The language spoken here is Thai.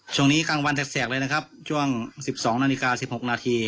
ช่วงนี้กลางวันแสกแสกเลยนะครับช่วงสิบสองนาฬิกาสิบหกนาที